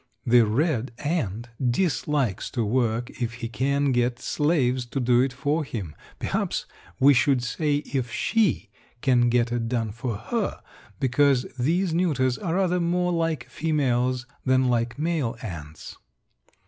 The red ant dislikes to work if he can get slaves to do it for him. Perhaps we should say if she can get it done for her, because these neuters are rather more like females than like male ants.